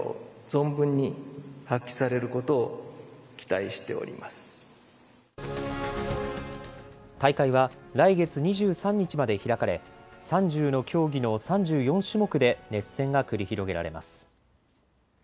大会は来月２３日まで開かれ３０の競技の３４種目で熱戦が繰り広げられます。